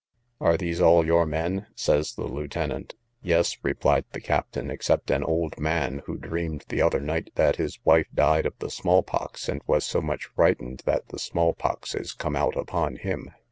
Are these all your men? says the lieutenant. Yes, replied the captain, except an old man, who dreamed the other night that his wife died of the small pox, and was so much frightened, that the small pox is come out upon him.